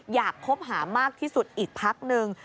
คบหามากที่สุดอีกพักนึง